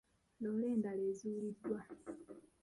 Loole endala ezuuliddwa.